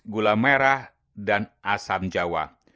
gula merah dan asam jawa